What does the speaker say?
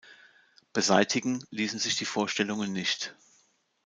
Beseitigen ließen sich die Vorstellungen nicht.